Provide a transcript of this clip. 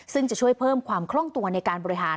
ซึ่งจะช่วยเพิ่มความคล่องตัวในการบริหาร